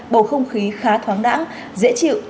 bầu không khí khá thoáng đẳng dễ chịu